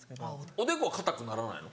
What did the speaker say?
おでこは硬くならないの？